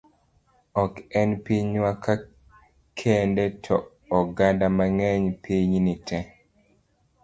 Ok en pinywa ka kende to oganda mang'eny piny ni tee